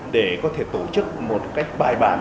để có thể tổ chức một bài bản